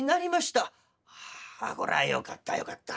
「こらよかったよかった。